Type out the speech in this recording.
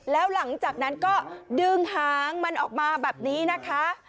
แล้วหลังจากนั้นก็ดึงหางมันออกมาแบบนี้นะคะ